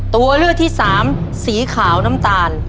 ตัวเลือกที่สามสีขาวน้ำตาล